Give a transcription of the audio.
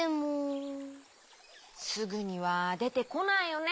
すぐにはでてこないよね